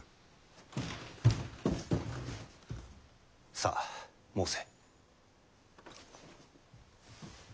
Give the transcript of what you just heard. さあ申せ。